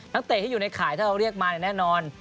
เตะที่อยู่ในข่ายถ้าเราเรียกมาแน่นอน